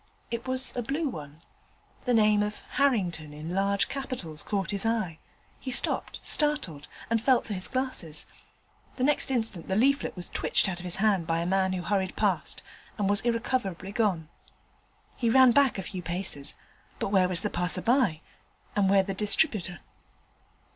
It was a blue one. The name of Harrington in large capitals caught his eye. He stopped, startled, and felt for his glasses. The next instant the leaflet was twitched out of his hand by a man who hurried past, and was irrecoverably gone. He ran back a few paces, but where was the passer by? and where the distributor?